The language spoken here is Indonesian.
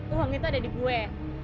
uang itu ada di kue